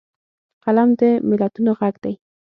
قلم د ملتونو غږ دی